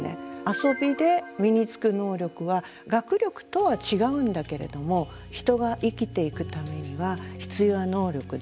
遊びで身につく能力は学力とは違うんだけれども人が生きていくためには必要な能力で。